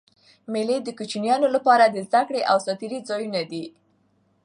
مېلې د کوچنيانو له پاره د زدهکړي او ساتېري ځایونه دي.